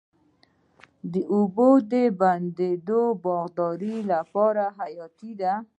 د اوبو بندونه د باغدارۍ لپاره حیاتي دي.